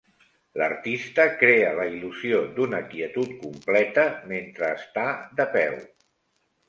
L'artista crea la il·lusió d'una quietud completa mentre està de peu.